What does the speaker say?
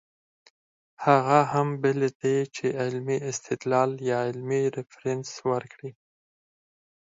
هغه هم بې له دې چې علمي استدلال يا علمي ريفرنس ورکړي